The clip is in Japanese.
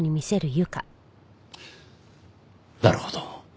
なるほど。